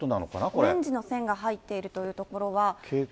オレンジの線が入っているという所は。